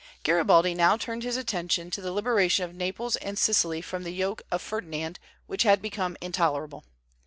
Garibaldi now turned his attention to the liberation of Naples and Sicily from the yoke of Ferdinand, which had become intolerable.